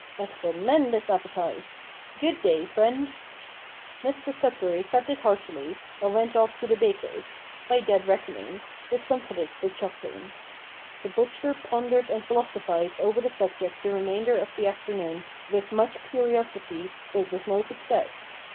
"A tremendous appetite! Good day, friend." Mr Sudberry said this heartily, and went off to the baker's by dead reckoning discomfited but chuckling. The butcher pondered and philosophised over the subject the remainder of the afternoon with much curiosity, but with no success.